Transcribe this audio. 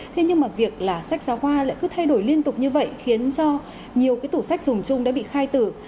thế nhưng mà việc là sách giáo khoa lại cứ thay đổi liên tục như vậy khiến cho nhiều cái tủ sách dùng chung đã bị khai tử